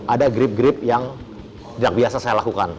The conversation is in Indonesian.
ada grip grip yang biasa saya lakukan